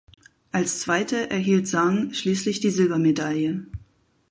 Als Zweite erhielt Zhang schließlich die Silbermedaille.